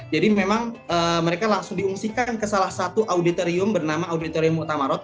jadi memang mereka langsung diungsikan ke salah satu auditorium bernama auditorium utama rot